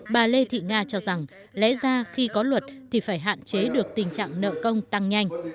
bà lê thị nga cho rằng lẽ ra khi có luật thì phải hạn chế được tình trạng nợ công tăng nhanh